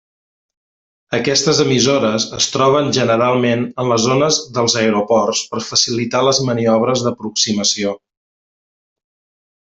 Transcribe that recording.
Aquestes emissores es troben generalment en les zones dels aeroports per facilitar les maniobres d'aproximació.